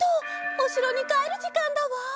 おしろにかえるじかんだわ！